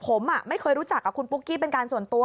ผมไม่เคยรู้จักกับคุณปุ๊กกี้เป็นการส่วนตัว